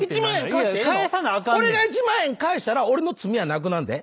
俺が１万円返したら俺の罪はなくなんで。